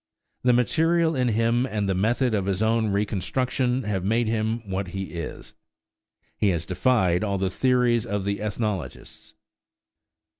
The material in him and the method of his reconstruction have made him what he is. He has defied all the theories of the ethnologists.